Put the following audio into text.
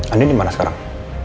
andin dimana sekarang